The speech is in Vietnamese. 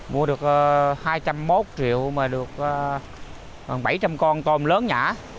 mua được hai trăm linh một triệu mà được hơn bảy trăm linh con tôm lớn nhả